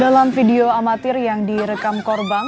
dalam video amatir yang direkam korban